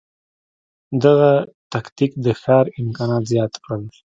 دغه تکتیک د ښکار امکانات زیات کړل.